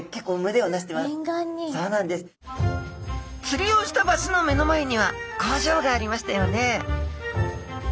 つりをした場所の目の前には工場がありましたよね